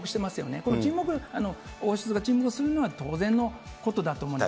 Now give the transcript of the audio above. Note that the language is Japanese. この沈黙、王室が沈黙するのは当然のことだと思うんです。